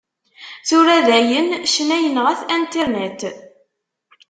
Tura dayen, ccna yenɣa-t Internet.